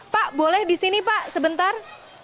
pak boleh di sini pak sebentar